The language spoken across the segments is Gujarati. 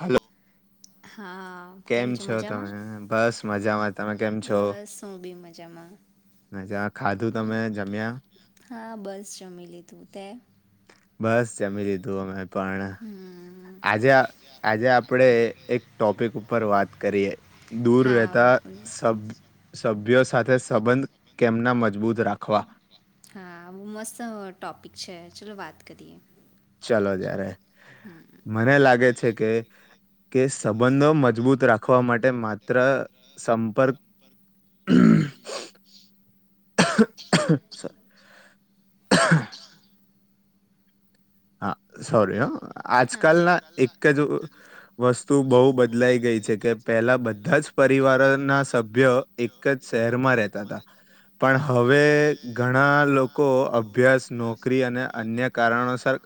હલો હા કેમ છે મજામાં બસ મજામાં તમે કેમ બસ હુ ભી મજામાં શમી લીધું તે બસ જમી લીધું અમે પણ આજે આજે આપડે એક ટોપિક ઉપર વાત કરીએ દૂર રહેતા સબ સભ્યો સાથે સંબંધ કેમના મજબૂત રાખવા હા મસ્ત ટોપિક છે ચલો વાત કરીએ ચાલો જાયારે મને લાગે છે કે કે સંબંધો મજબૂત રાખવા માટે માત્ર સંપર્ક [unintelligible] હા સોરી હ આજકાલના એક જ વસ્તુ બહુ બદલાઈ ગઈ છે કે પહેલા બધા જ પરિવારો ના સભ્ય એક જ શહેરમાં રહેતા હતા પણ હવે ઘણા લોકો અભ્યાસ નોકરી અને અન્ય કારણોસર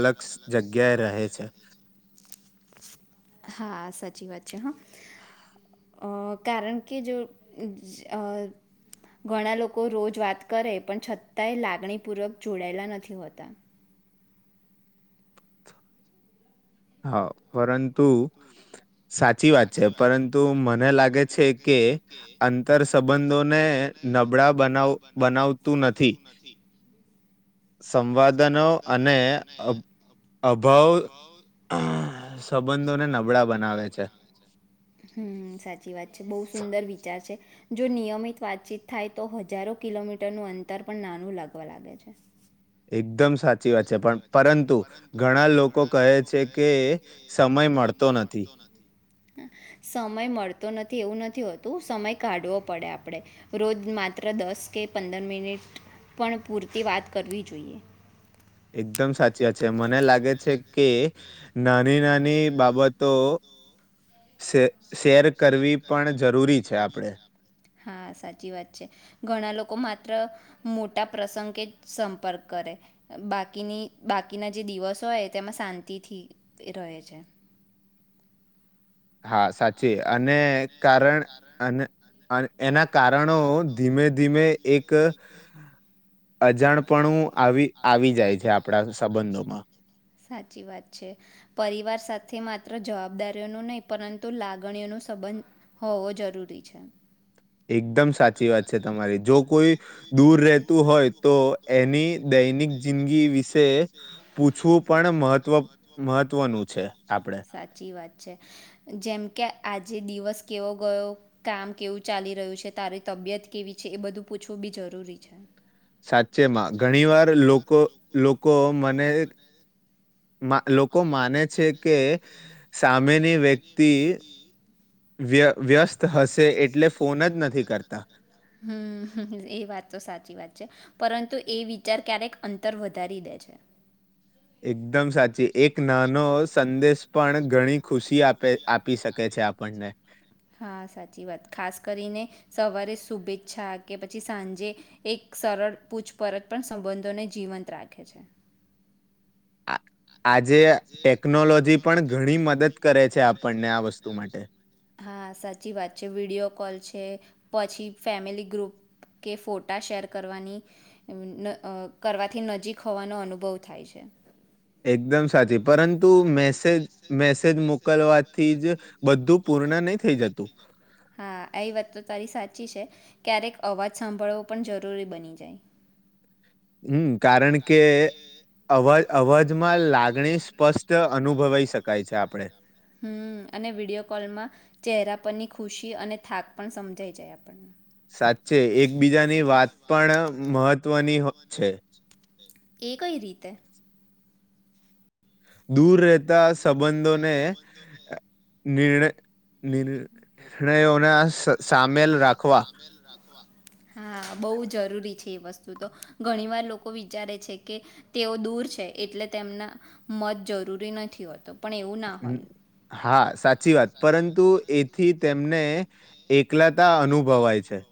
અલગસ જગ્યાએ રહે છે. સાચી વાત છે હ કારણ કે જો ઘણા લોકો રોજ વાત કરે પણ છતાંય લાગણી પૂર્વક જોડાયેલા નથી હોતા. હા પરંતુ સાચી વાત છે પરંતુ મને લાગે છે કે આંતર સંબંધોને નબળા બનાવ બનાવતું નથી. સંવાદનો અને અભાવ સંબંધોને નબળા બનાવે છે. હમ સાચી વાત છે બહુ સુંદર વિચાર જો નિયમિત વાતચીત થાય તો હજારો કિલોમીટરનું અંતર પણ નાનું લાગવા લાગે છે. એકદમ સાચી વાત છે પણ પરંતુ ઘણા લોકો કહે છે કે સમય મળતો નથી. સમય મળતો નથી એવું નથી હોતું સમય કાઢવો પડે આપણે રોજ માત્ર દસ કે પંદર મિનિટ પણ પૂરતી વાત કરવી જોઈએ. એકદમ સાચી વાત છે મને લાગે છે કે નાની નાની બાબતો શે શેર કરવી પણ જરૂરી છે આપણેે હા સાચી વાત છે ઘણા લોકો માત્ર મોટા પ્રસંગે જ સંપર્ક કરે બાકીની બાકીના જે દિવસો હોય તેમાં શાંતિથી રહે છે. હા સાચી અને કારણ અને અને એના કારણો ધીમે ધીમે એક અજાણપણું આવી આવી જાય છે આપણા સંબંધોમાં સાચી વાત છે પરિવાર સાથે માત્ર જવાબદારીઓનું નહી પરંતુ લાગણીઓ ન સંબંધ હોવો જરૂરી છે. એકદમ સાચી વાત છે તમારી જો કોઈ દૂર રહેતું હોય તો એની દૈનિક જિંદગી વિશે પૂછવું પણ મહત્વ મહત્વનું છે. સાચી વાત છે. જેમ કે આજે દિવસ કેવો ગયો કામ કેવું ચાલી રહ્યું છે તારી તબિયત કેવી છે એ બધું પૂછવું બી જરૂરી છે. સાચેમાં ઘણી વાર લોકો લોક લોકો મને લોકો માને છે કે એ વાત તો સાચી વાત છે. પરંતુ એ વિચાર ક્યારેક અંતર વધારી દે છે. એકદમ સાચી એક નાનો સંદેશ પણ ઘણી ખુશી આપે આપી શકે છે આપણને. હા સાચી વાત ખાસ કરીને સવારે શુભેચ્છા કે પછી સાંજે એક સરળ પૂછપરછ પણ સંબંધોને જીવંત રાખે છે. હા. હા સાચી વાત છે વિડીયો કોલ છે. પછી ફેમિલી ગ્રુપ કે ફોટા શેર કરવાની ન કરવાથી નજીક હોવાનો અનુભવ થાય છે. એકદમ સાચી પરંતુ મેસેજ મેસેજ મુક કરવાથી જ બધું પૂર્ણ નહી થઈ જતું. ચી છે. ક્યારેક અવાજ સાંભળવો પણ જરૂરી બની જાય. હમ. કારણ કે અવાજ અવાજમાં લાગણી સ્પષ્ટ અનુભવાઈ શકાય છે આપડે હમ અને વિડીયો કોલમાં ચહેરા પની ખુશી અને થાક પણ સમજાઈ જાય આપણને. સાચે એકબીજાની વાત પણ મહત્વની હો છે. એ કઈ રીતે? દૂર રહેતા સંબંધોને નિર્ણ નિર નિર્ણયો ના સ સામેલ રાખવા. હા બહુ જરૂરી છે એ વસ્તુ તો ઘણીવાર લોકો વિચારે છે કે તેઓ દૂર છે એટલે તેમના મત જરૂરી નથી હોતો. હા હા સાચી વાત પરંતુ એથી તેમને એક કલાતા અનુભવાય છે.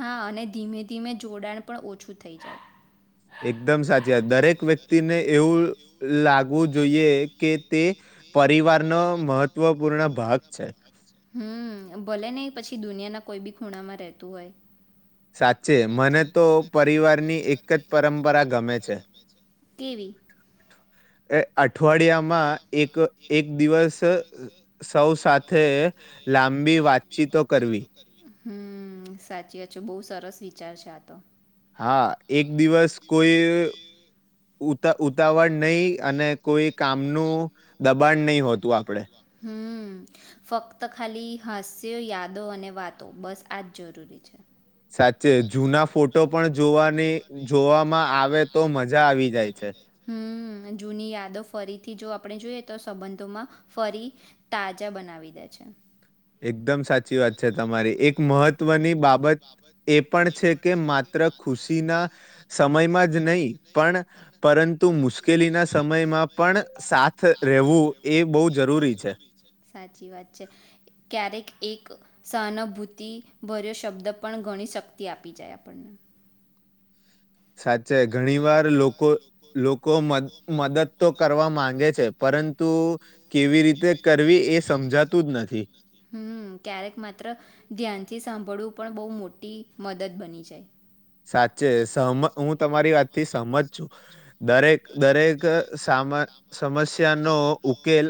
હા અને ધીમે ધીમે જોડાણ પણ ઓછું થઈ જાય. એકદમ સાચી દરેક વ્યક્તિને એવું લાગ ગવુ જોઈએ કે તે પરિવાર નો મહત્વપૂર્ણ ભાગ છે. હમ ભલે ને એ પછી દુનિયાના કોઈ બી ખૂણામાં રહેતું હોય. સાચે મને તો પરિવાર ની એક જ પરંપરા ગમે છે. કેવી? એ અઠ ઠવાડિયામાં એક એક દિવસ સૌ સાથે લાંબી વાતચીતો કરવી. હમ સાચી વાત છે બહુ સરસ વિચાર છે આતો. હા. એક દિવસ કોય ઉ ઉતા ઉતાવળ નઈ અને કોઈ કામનું દબાણ નઈ હોતું આપડે હમ ફક્ત ખાલી હસ ત યાદો અને વાતો બસ આ જ જરૂરી છે. સાચે જુના ફોટો પણ જોવાની જોવામાં આવે તો મજા આવી જાય છે હમ. જૂની યાદો ફરીથી જો આપણે જોઈએ તો સંબંધોમાં ફરી તાજા બનાવી દે છે. એકદમ સાચી વાત છે તમારી એક મહત્વની બાબત એ પણ છે કે માત્ર ખુશી ના સમયમાં જ નહી પણ પરંતુ મુશ્કેલી ના સમયમાં પણ સાથ રહેેવું એ બઉ જરૂરી છે સાચી વાત છે. ક્યારેક એક સહાનુભૂતિ ભર્યો શબ્દ પણ ઘણી શક્તિ આપી જાય આપણને. સાચે ઘણી વાર લોકો લોકો મદ મદદ તો કરવા માંગે છે પરંતુ કેવી રીતે કરવી એ સમજાતું જ નથી. પણ બહુ મોટી મદદ બની જાય. સાચે સમ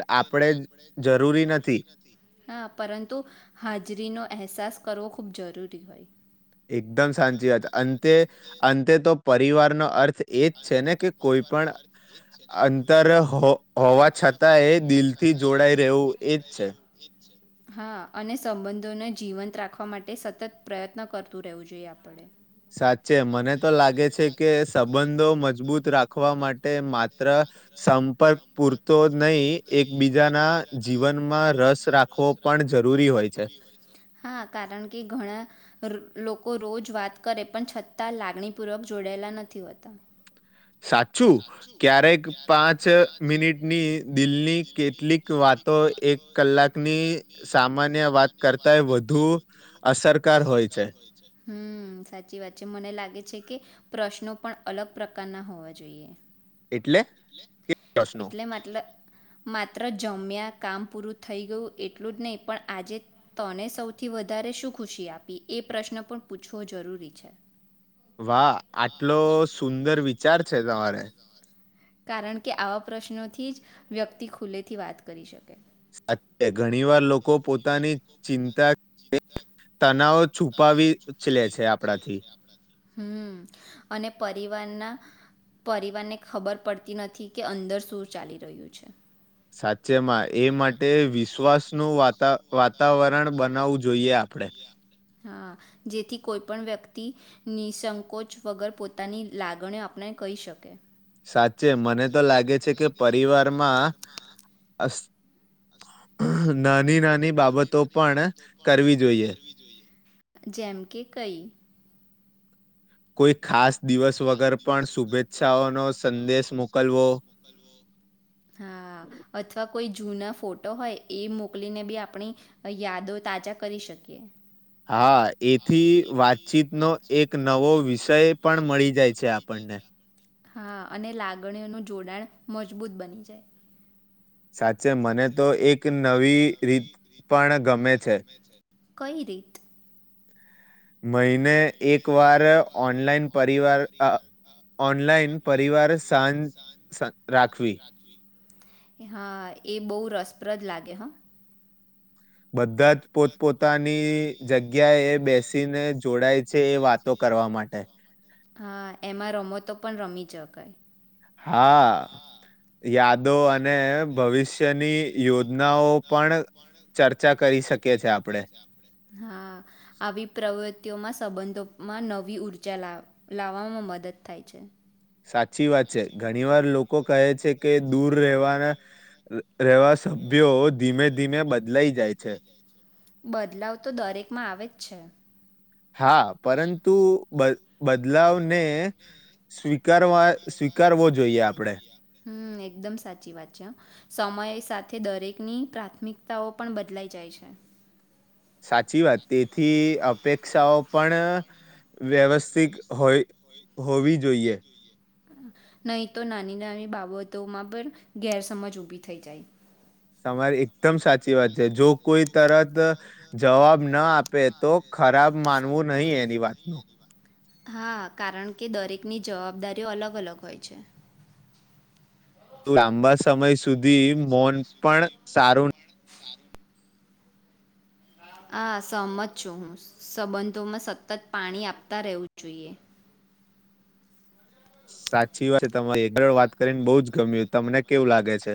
નકે આપરી નથી [inaudible] હા પરંતુ હાજરી નો અહસાસ કરવો. ખૂબ જરૂરી હોય. એકદમ સાચી વાત અંતે અંતે તો પરિવાર નો અર્થ એજ છે ને કે કોઈ પણ અંતર હો હોવા છતાં એ દિલ થી જોડાય રહેવું એજ છે. હા અને સંબંધોને જીવંત રાખવા માટે સતત પ્રયત્ન કરતું રહેવું જોઈએ આપણે સાચે મને તો લાગે છે કે સબંધ સબંધ મજબૂત રાખવા માટે માત્ર સંપર્ક પૂરતો નહી, એકબીજાના જીવનમાં રસ રાખવો પણ જરૂરી હોય છે. ર લોકો રોજ વાત કરે, પણ છતાં લાગણીપૂર્વક જોડાયેલા નથી હોતા. સાચું. ક્યારેક પાંચ મિનિટની દિલની કેટલીક વાતો એક કલાકની સામાન્ય વાત કરતા એ વધુ અસરકાર હોય છે. સાચી વાત છે. મને લાગે છે કે, પ્રશ્નો પણ અલગ પ્રકારના હોવા જોઈએ. એટલે? એક પ્રશ્નો? માત્ર જમ્યા, કામ પૂરું થઈ ગયું એટલું જ નઈ, પણ આજે તને સૌથી વધારે શું ખુશી આપી, એ પ્રશ્ન પણ પૂછવો જરૂરી છે. વાહ! આટલો સુંદર વિચાર છે તમારે. કારણ કે, આવા પ્રશ્નોથી જ વ્યક્તિ ખુલેથી વાત કરી શકે. સાચ્ચે. ઘણી વાર લોકો પોતાની ચિંતા કે તનાવ છુપાવી હં, અને પરિવારના પરિવારને ખબર પડતી નથી કે, અંદર શું ચાલી રહ્યું છે. સાચ્ ચેમાં એ માટે વિશ્વાસનું વાતા વા વાતાવરણ બનાવવું જોઈએ આપડે. હા! જેથી કોઈ પણ વ્યક્તિ નિસંકોચ વગર પોતાની લાગણીઓ આપને કહી શકે. સાચે. મને તો લાગે છે કે પરિવારમાં અસ નાની-નાન [inaudible] જેમ કે કંઈ? કોઈ હા. અથવા કોઈ જૂના ફોટો હોય એ મોકલીને બી આપણી યાદો તાજા કરી શકીએ. હા. એથી વાતચીતનો એક નવો વિષય પણ મળી જાય છે આપણને. હા! અને લાગણીઓનું જોડાણ મજબૂત બની જાય. સાચ ચે મને તો એક નવી રીત પણ ગમે છે. કઈ રીત? મહિને એક વાર ઓનલાઈન પરિવાર અ ઓનલાઇન પરિવાર સાંજ રાખવી. હા એ બઉ રસપ્રદ લાગે હ. એમાં રમતો પણ રમી જકાય. હા! યાદ હા આવી પ્રવૃતિઓમાં સંબંધોમાં નવી ઊર્જા લાવ લાવવામાં મદદ થાય છે. સાચી વાત છે. ઘણી વાર લોકો કહે છે કે દૂર રહેવાના રહેવાસ ભયો ધીમે-ધીમે બદલાઈ જાય છે. બદલાવ તો દરેકમાં આવેજ છે. હા! પરંતુ બદ બદલાવને સ્વીકારવા સ્વીકારવો જોઈએ આપડે. હમ્મ એકદમ સાચી વાત છે. હહ સમય સાથે દરેકની પ્રાથમિકતાઓ પણ બદલાઈ જાય છે. સાચી વાત તેથી અપેક્ષાઓ પણ વ્યવસ્થિત હોય હોવી જોઈએ. નહી તો નાની નાની બાબતોમાં પણ ગેરસમજ ઉભી થઈ જાય. તમારી એકદમ સાચી વાત છે. જો કોઈ તરત જવાબ ના આપે તો ખરાબ માનવું નહી એની વાતનું. હા કારણ કે દરેકની જવાબદારીઓ અલગ અલગ હોય છે. લાંબા સમય સુધી મોન પણ સારું. હા સહમત છું હું સંબંધોમાં સતત પાણી આપતા રહેવું જોઈએ. સાચી વાત છે તમા એક જોડે વાત કરીને બહુ જ ગમ્યું. તમને કેવું લાગે છે?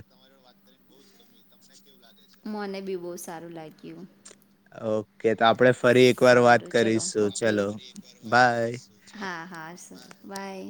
મને બી બહુ સારું લાગ્યું. ઓકે. તો આપણે ફરી એક વાર વાત કરીશું. ચલો બાય બાય